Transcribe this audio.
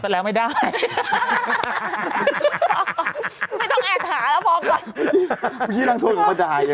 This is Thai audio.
ปิดแล้วใช่ไหมคุณผู้ชมเห็นหรือ